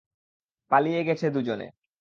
পালিয়ে গেছে দুজনে।